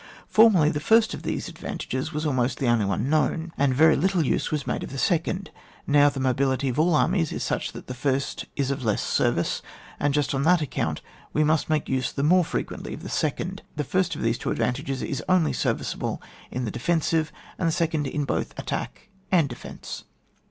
Formerly, the first of these advantages was almost the only one known, and very little use was made of the second. Now the mobility of aU armies is such, that the first is of less service, and just on that account we must make use the more frequently of the second. The first of these two advantages is only serviceable in the defensive, the second, in both attack and defence.